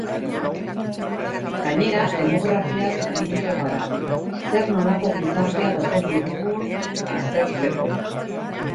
Gainera, demografiaz arituko gara, zer-nolako gizartea dagokigun aztertzeko.